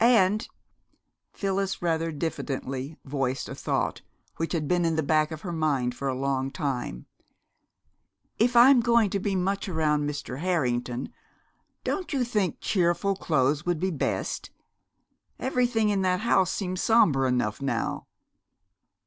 And" Phyllis rather diffidently voiced a thought which had been in the back of her mind for a long time "if I'm going to be much around Mr. Harrington, don't you think cheerful clothes would be best? Everything in that house seems sombre enough now."